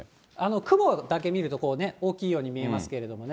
雲だけ見ると、こうね、大きいように見えますけれどもね。